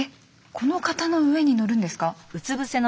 この方の上に乗るんですか？